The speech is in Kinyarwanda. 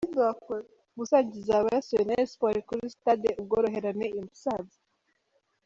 Musange izaba yasuwe na Espoir kuri sitade Ubworoherane i Musanze.